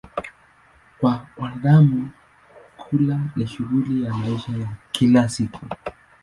Kwa wanadamu, kula ni shughuli ya maisha ya kila siku.